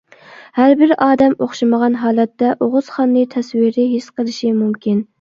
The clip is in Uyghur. ھەربىر ئادەم ئوخشىمىغان ھالەتتە ئوغۇزخاننى تەسۋىرى ھېس قىلىشى مۇمكىن.